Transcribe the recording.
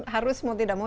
harus mau tidak mau